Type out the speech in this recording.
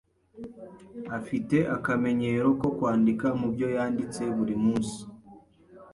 Afite akamenyero ko kwandika mubyo yanditse buri munsi.